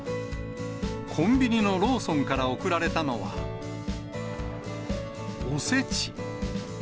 コンビニのローソンから贈られたのは、おせち。